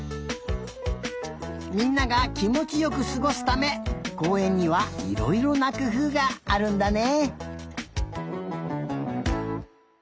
みんながきもちよくすごすためこうえんにはいろいろなくふうがあるんだね。